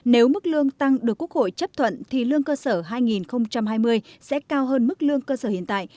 nếu mức lương tăng được quốc hội chấp thuận thì lương cơ sở hai nghìn hai mươi sẽ cao hơn mức lương cơ sở hiện tại